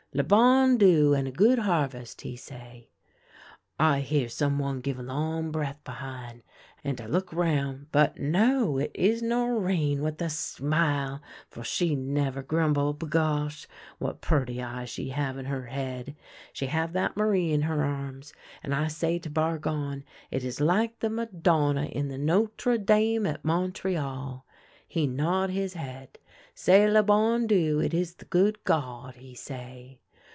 ' Le bon Dieu, and a good harvest !' he say, " I hear some one give a long breath behin', and I look round ; but, no ! it is Norinne with a smile — for she never grumble — bagosh ! What purty eyes she have in her head ! She have that Marie in her arms, and I say to Bargon it is like the Madonna in the Notre Dame at IMontreal. He nod his head. ' C'est le bon Dieu — it is the good God,' he say.